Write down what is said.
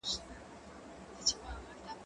زه به سبا سبزیجات جمع کوم